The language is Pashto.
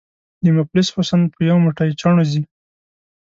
” د مفلس حُسن په یو موټی چڼو ځي”